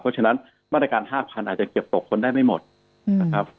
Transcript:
เพราะฉะนั้นมาตรการ๕๐๐อาจจะเก็บตกคนได้ไม่หมดนะครับ